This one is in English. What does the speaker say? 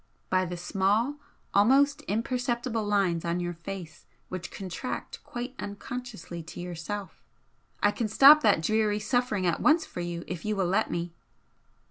"By the small, almost imperceptible lines on your face which contract quite unconsciously to yourself. I can stop that dreary suffering at once for you, if you will let me."